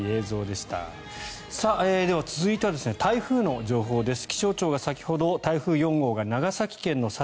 では、続いては台風の情報です。